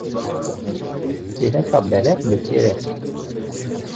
Çêleka belek diçêre.